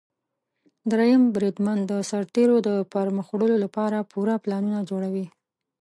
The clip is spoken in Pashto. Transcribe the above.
دریم بریدمن د سرتیرو د پرمخ وړلو لپاره پوره پلانونه جوړوي.